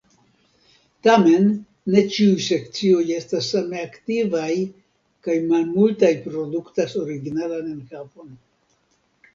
Tamen ne ĉiuj sekcioj estas same aktivaj kaj malmultaj produktas originalan enhavon.